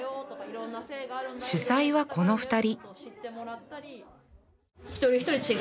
主催はこの２人